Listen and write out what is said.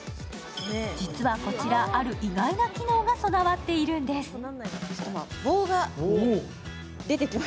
実はこちら、ある意外な機能が備わっているんです。